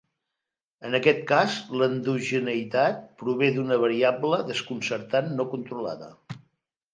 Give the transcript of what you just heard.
En aquest cas, l'endogeneïtat prové d'una variable desconcertant no controlada.